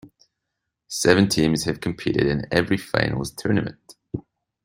Seven teams have competed in every finals tournament.